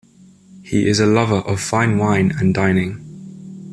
He is a lover of fine wine and dining.